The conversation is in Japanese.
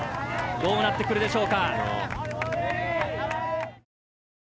どうなってくるでしょうか。